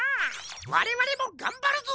われわれもがんばるぞ！